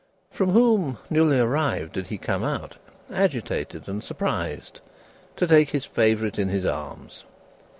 From whom newly arrived, did he come out, agitated and surprised, to take his favourite in his arms?